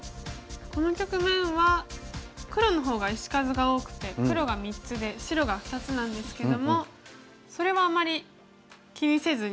この局面は黒の方が石数が多くて黒が３つで白が２つなんですけどもそれはあまり気にせずに。